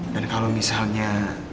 dan kalau misalnya